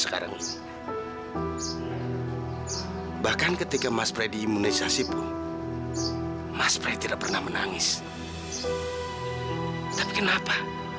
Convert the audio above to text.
sekarang bahkan ketika mas predi imunisasi pun mas pray tidak pernah menangis tapi kenapa